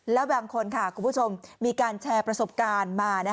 แล้วบางคนค่ะคุณผู้ชมมีการแชร์ประสบการณ์มา